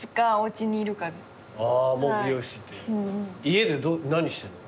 家で何してんの？